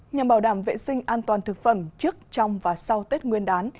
nhằm bảo đảm vệ sinh an toàn thực phẩm trước trong và sau tết nguyên đán